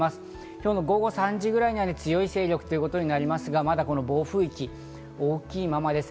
今日の午後３時ぐらいには、強い勢力ということになりますが、まだ暴風域で大きいままです。